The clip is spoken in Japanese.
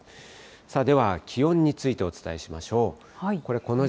では気温についてお伝えしましょう。